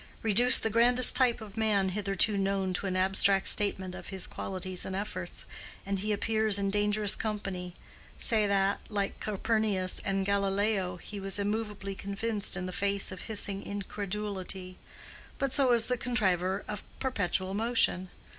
Reduce the grandest type of man hitherto known to an abstract statement of his qualities and efforts, and he appears in dangerous company: say that, like Copernicus and Galileo, he was immovably convinced in the face of hissing incredulity; but so is the contriver of perpetual motion.